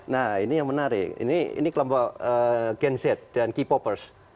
nah ini yang menarik ini kelompok gen z dan k popers